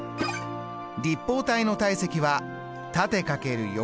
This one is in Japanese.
立方体の体積は縦×横×